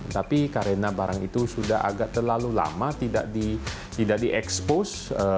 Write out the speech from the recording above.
tapi karena barang itu sudah agak terlalu lama tidak di expose